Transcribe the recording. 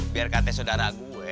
biar kata sodara gue